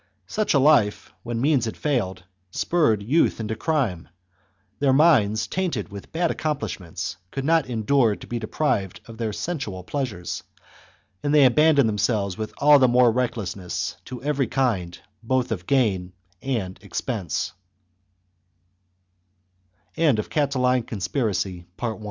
Such a life, when means had failed, spurred youth into crime. Their minds, tainted with bad accomplishments, could not endure to be deprived of their sensual pleasures, and they abandoned them selves with all the more recklessness to every kind j)o th of gain a